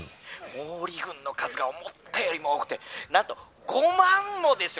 「毛利軍の数が思ったよりも多くてなんと５万もですよ！